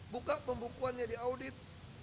buka pembukuannya diaudit